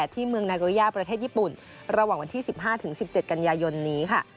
ที่เมืองนาโกย่าประเทศญี่ปุ่นระหว่างวันที่๑๕๑๗กันยายนนี้ค่ะ